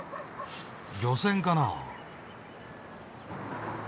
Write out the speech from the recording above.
漁船かな？